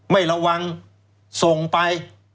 ไม่ระวังส่งไป